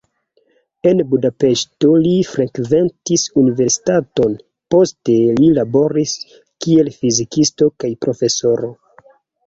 En Budapeŝto li frekventis universitaton, poste li laboris, kiel fizikisto kaj profesoro.